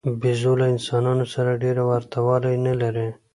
بیزو له انسانانو سره ډېره ورته والی نه لري.